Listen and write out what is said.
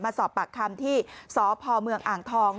สอบปากคำที่สพเมืองอ่างทอง